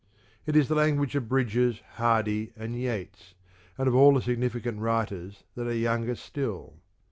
It is the language of Bridges, Hardy, and Yeats, and of all the significant writers that are younger still.